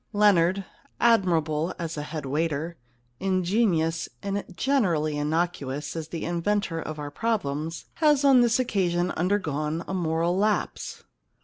Leonard — admirable as a head waiter, ingenious and generally innocuous as the inventor of our problems — has on this occasion undergone 23 The Problem Club a moral lapse.